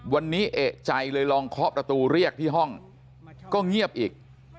วันนี้เอกใจเลยลองเคาะประตูเรียกที่ห้องก็เงียบอีก